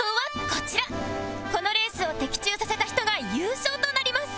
このレースを的中させた人が優勝となります